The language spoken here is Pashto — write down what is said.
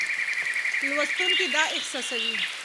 لوستونکی دا احساسوي.